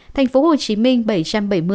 thành phố hồ chí minh bảy trăm bảy mươi